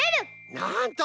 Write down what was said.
なんと！